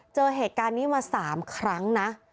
เจอเหตุการณ์นี้มา๓ครั้งนะ